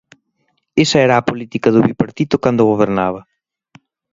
Esa era a política do Bipartito cando gobernaba.